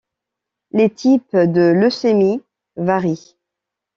Les types de leucémie varient.